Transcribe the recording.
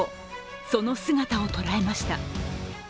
その姿を捉えました。